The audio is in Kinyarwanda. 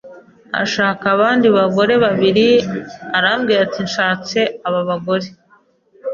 ashaka abandi bagore babiri, arambwira ati nshatse aba bagore